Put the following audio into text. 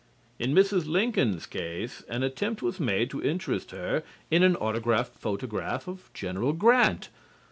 In Mrs. Lincoln's case an attempt was made to interest her in an autographed photograph of Gen. Grant.